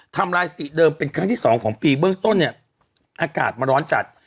ทำลายสติเดิมเป็นครั้งที่สองของปีเบื้องต้นเนี่ยอากาศมาร้อนจัด